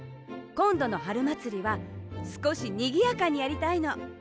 こんどのはるまつりはすこしにぎやかにやりたいの。